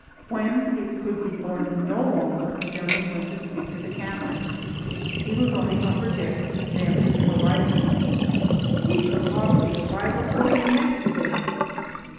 When it could be borne no longer, a gentleman went to speak to the captain. He was on the upper deck, examining the horizon. He put off the arrival for the next day!